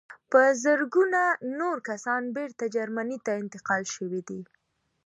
په زرګونه نور کسان بېرته جرمني ته انتقال شوي دي